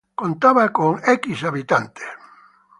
Contaba con hab.